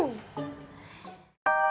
kayak toko bahagia